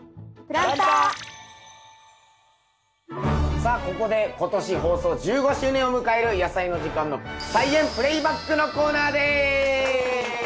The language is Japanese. さあここで今年放送１５周年を迎える「やさいの時間」の「菜園プレイバック」のコーナーです！